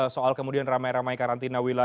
soal kemudian ramai ramai karantina wilayah